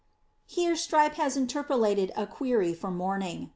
'*' Here Strype has interpolated a query for mourning.